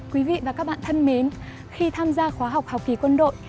quý vị và các bạn thân mến khi tham gia khóa học học kỳ quân đội